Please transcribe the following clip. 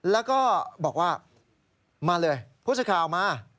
แล้วก็บอกว่ามาเลยพูดสิทธิ์ข่าวมา